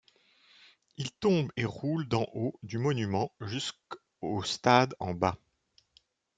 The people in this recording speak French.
Il tombe et roule d'en haut du monument jusqu'au stade en bas.